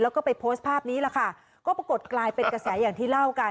แล้วก็ไปโพสต์ภาพนี้แหละค่ะก็ปรากฏกลายเป็นกระแสอย่างที่เล่ากัน